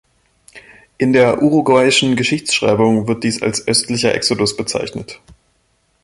In der uruguayischen Geschichtsschreibung wird dies als „östlicher Exodus“ bezeichnet.